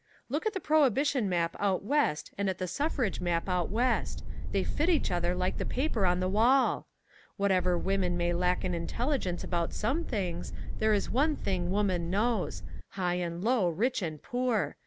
Look at the prohibition map out West and at the suffrage map out West. They fit each other like the paper on the wall. Whatever women may lack in intelligence about some things, there is one thing woman knows high and low, rich and poor!